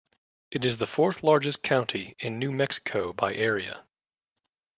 It is the fourth-largest county in New Mexico by area.